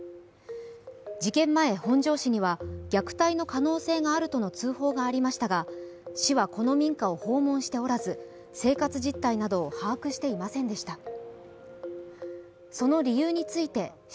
事件前、本庄市には虐待の可能性があるとの通報がありましたが、市はこの民家を訪問しておらず生活実態などを把握していませんでした。